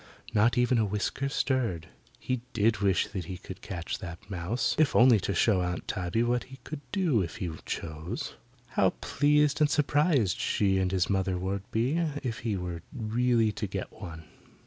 Not even a whisker stirred. He did wish he could catch that mouse, if only to show Aunt Tabby what he could do if he chose. How pleased and surprised she and his mother would be if he were really to get one.